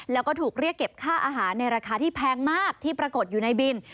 แล้วก็ถูกเรียกเก็บค่าอาหารในราคาที่แพงมากที่ปรากฏอยู่ในบิน